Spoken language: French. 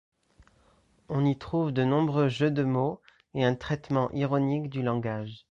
On y trouve de nombreux jeux de mots et un traitement ironique du langage.